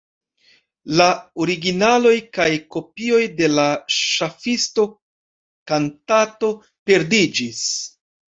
La originaloj kaj kopioj de la ŝafisto-kantato perdiĝis.